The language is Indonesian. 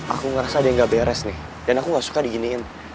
aku ngerasa ada yang gak beres nih dan aku gak suka diginiin